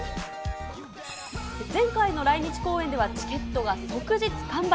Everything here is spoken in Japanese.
前回の来日公演ではチケットが即日完売。